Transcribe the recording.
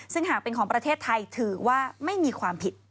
ซึ่งหากเป็นของประเทศไทยถือว่าไม่มีความผิด